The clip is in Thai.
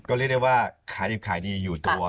ก็เรียกได้ว่าขายดิบขายดีอยู่ตัว